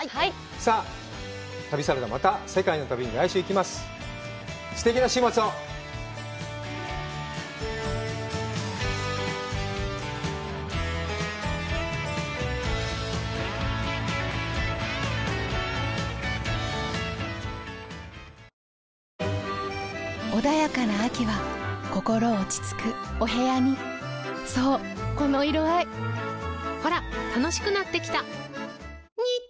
さあ旅サラダ、また世界の旅に来週行き穏やかな秋は心落ち着くお部屋にそうこの色合いほら楽しくなってきた！